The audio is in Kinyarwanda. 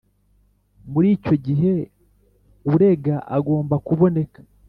Muri icyo gihe urega agomba kuboneka